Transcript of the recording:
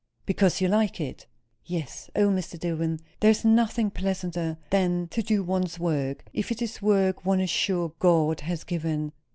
"Because you like it." "Yes. O, Mr. Dillwyn, there is nothing pleasanter than to do one's work, if it is work one is sure God has given."